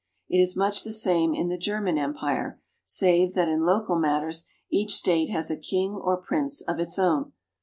It is much the same in the German Empire, save that in local matters each state has a king or prince of its own.